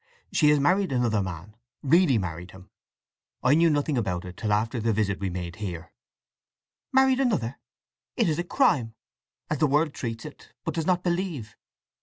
She has married another man—really married him! I knew nothing about it till after the visit we made here." "Married another? … It is a crime—as the world treats it, but does not believe."